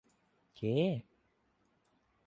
เค้